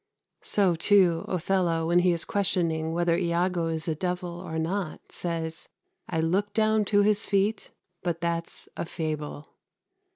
So too Othello, when he is questioning whether Iago is a devil or not, says "I look down to his feet, but that's a fable."